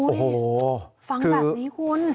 โอ้โหฟังแบบนี้คุณ